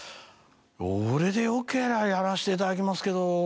「俺でよけりゃやらせていただきますけど」。